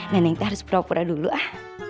neneknya harus beropera dulu ah